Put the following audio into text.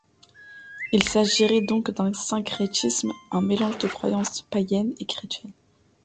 Il s'agirait donc d'un syncrétisme, un mélange de croyances païennes et chrétiennes.